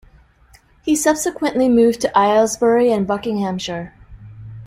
He subsequently moved to Aylesbury in Buckinghamshire.